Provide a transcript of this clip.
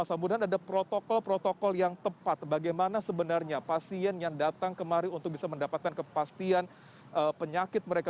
sambunan ada protokol protokol yang tepat bagaimana sebenarnya pasien yang datang kemari untuk bisa mendapatkan kepastian penyakit mereka